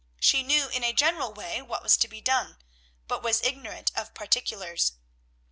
She knew in a general way what was to be done, but was ignorant of particulars.